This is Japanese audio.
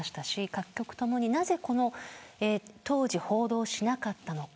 各局ともになぜ当時、報道しなかったのか。